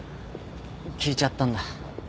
聞いちゃったんだ。